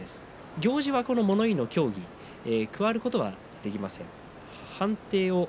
行司が物言いの協議に加わることはできません。